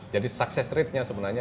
jadi sukses ratenya sebenarnya